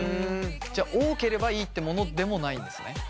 じゃあ多ければいいってものでもないんですね？